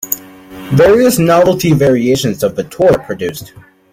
Various novelty variations of the toy are produced.